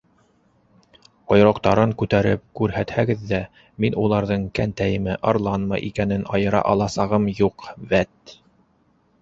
Ҡойроҡтарын күтәреп күрһәтһәгеҙ ҙә, мин уларҙың кәнтәйме-арланмы икәнен айыра аласағым юҡ, вәт!